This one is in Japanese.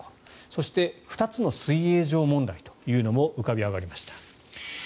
そして、２つの水泳場問題というのも浮かび上がりました。